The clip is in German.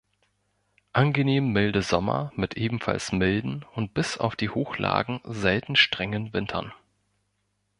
Angenehm milde Sommer mit ebenfalls milden und bis auf die Hochlagen selten strengen Wintern.